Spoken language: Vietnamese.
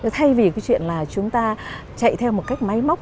thay vì cái chuyện là chúng ta chạy theo một cách máy móc